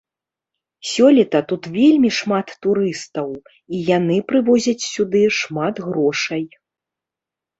Сёлета тут вельмі шмат турыстаў, і яны прывозяць сюды шмат грошай.